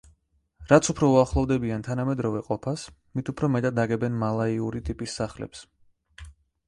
რაც უფრო უახლოვდებიან თანამედროვე ყოფას, მით უფრო მეტად აგებენ მალაიური ტიპის სახლებს.